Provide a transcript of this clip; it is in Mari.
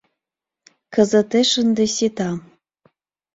Кызытеш ынде сита.